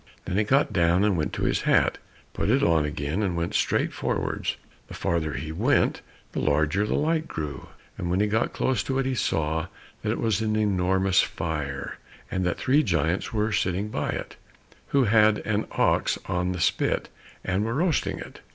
Then he got down and went to his hat, put it on again and went straight forwards. The farther he went, the larger the light grew, and when he got close to it he saw that it was an enormous fire, and that three giants were sitting by it, who had an ox on the spit, and were roasting it.